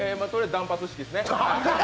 断髪式ですね。